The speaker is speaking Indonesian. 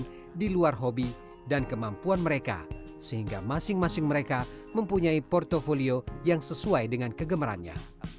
selain itu mereka juga memiliki kemampuan untuk mencari keuntungan di luar hobi dan kemampuan mereka sehingga masing masing mereka mempunyai portofolio yang sesuai dengan kegemerannya